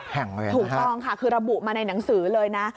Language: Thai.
แห่งเลยอ่ะถูกต้องค่ะคือระบุมาในหนังสือเลยนะ